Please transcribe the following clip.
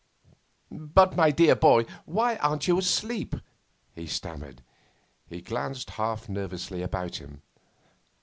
'But, my dear boy! why aren't you asleep?' he stammered. He glanced half nervously about him.